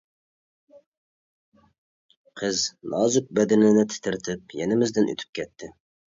قىز نازۇك بەدىنىنى تىترىتىپ يېنىمىزدىن ئۆتۈپ كەتتى.